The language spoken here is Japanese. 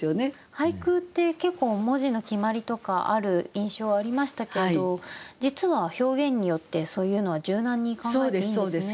俳句って結構文字の決まりとかある印象ありましたけれど実は表現によってそういうのは柔軟に考えていいんですね。